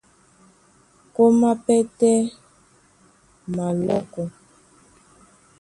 Kómá pɛ́tɛ́ malɔ́kɔ.